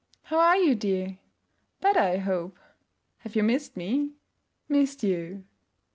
'How are you, dear?' 'Better, I hope.' 'Have you missed me?' 'Missed you!'